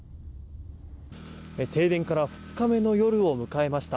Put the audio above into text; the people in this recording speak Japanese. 停電から２日目の夜を迎えました。